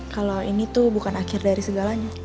kalau ini tuh bukan akhir dari segalanya